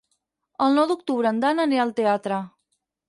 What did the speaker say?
El nou d'octubre en Dan anirà al teatre.